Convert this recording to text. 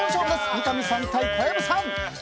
三上さん対小籔さん。